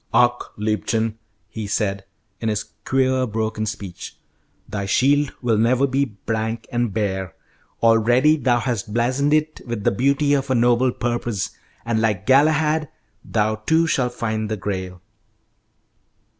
"Ach, liebchen," he said, in his queer broken speech, "thy shield will never be blank and bare. Already thou hast blazoned it with the beauty of a noble purpose, and like Galahad, thou too shalt find the Grail."